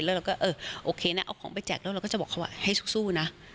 แล้วเราก็เออโอเคนะเอาของไปแจกแล้วเราก็จะบอกเขาว่าให้สู้นะ